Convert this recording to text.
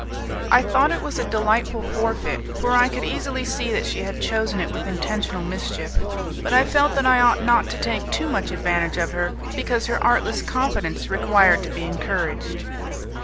I thought it was a delightful forfeit, for I could easily see that she had chosen it with intentional mischief; but I felt that I ought not to take too much advantage of her, because her artless confidence required to be encouraged.